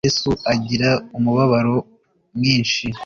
Yesu agira umubabaro mwinshi.